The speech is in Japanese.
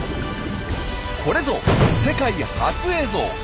これぞ世界初映像！